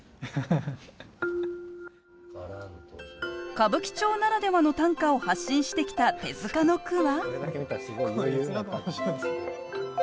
歌舞伎町ならではの短歌を発信してきた手塚の句は。